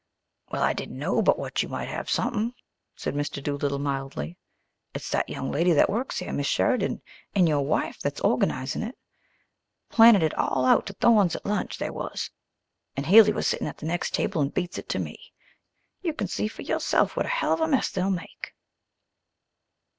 "Well, I didn't know but what you might have sumpen," said Mr. Doolittle mildly. "It's that young lady that works here, Miss Sheridan, an' your wife what's organizin' it. Planning it all out to Thorne's at lunch they was, an' Heally was sittin' at the next table and beats it to me. You can see for yerself what a hell of a mess they'll make!"